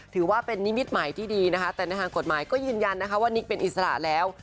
ถือว่าเป็นนิมิตใหม่ที่ดีนะคะแต่ในทางกฎหมายก็ยืนยันนะคะว่านิกเป็นอิสระแล้ว